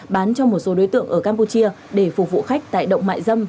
bán cho một số đối tượng ở campuchia để phục vụ khách tại động mại dâm